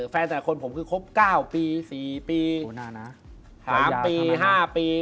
แฟนแต่คนผมคือคบ๙ปี๔ปี๓ปี๕ปี